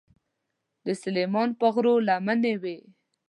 د سلیمان د غرو لمنې وې.